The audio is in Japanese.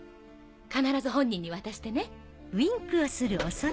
必ず本人に渡してね。